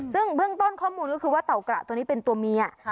ซึ่งเบื้องต้นข้อมูลก็คือว่าเต่ากระตัวนี้เป็นตัวเมีย